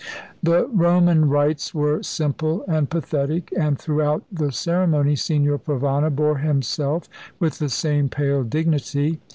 The Roman rites were simple and pathetic; and throughout the ceremony Signor Provana bore himself with the same pale dignity.